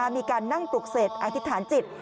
มีการนั่งปลุกเสกอธิษฐานจิต